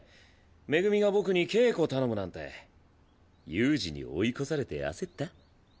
恵が僕に稽古頼むなんて悠仁に追い越されて焦った？